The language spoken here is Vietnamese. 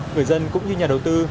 người dân cũng như nhà đầu tư